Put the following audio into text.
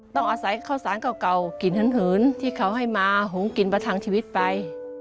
ต้องอาศัยข้าวสารเก่ากลิ่นเหินที่เขาให้มาหงกลิ่นประทังชีวิตไป